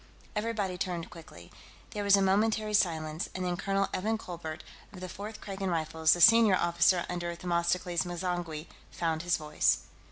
Everybody turned quickly. There was a momentary silence, and then Colonel Evan Colbert, of the Fourth Kragan Rifles, the senior officer under Themistocles M'zangwe, found his voice.